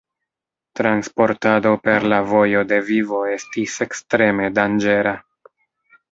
Transportado per la Vojo de Vivo estis ekstreme danĝera.